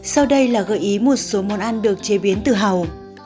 sau đây là gợi ý một số món ăn được chế biến từ hầu